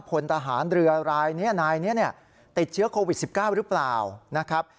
พลทหารเรือรายเนี่ยเนี่ยติดเชื้อโควิด๑๙หรือเปล่า